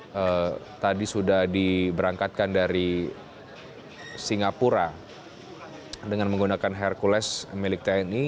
yang tadi sudah diberangkatkan dari singapura dengan menggunakan hercules milik tni